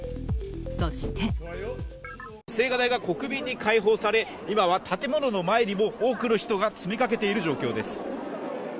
そして青瓦台が国民に開放され今は建物の前にも多くの人が詰めかけている状況です。